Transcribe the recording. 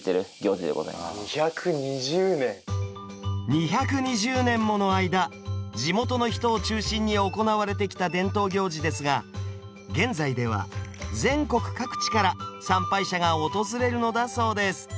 ２２０年もの間地元の人を中心に行われてきた伝統行事ですが現在では全国各地から参拝者が訪れるのだそうです。